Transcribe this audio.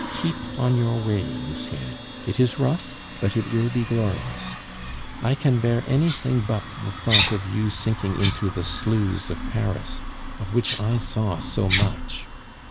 Keep on your way, Lucien; it is rough, but it will be glorious. I can bear anything but the thought of you sinking into the sloughs of Paris, of which I saw so much.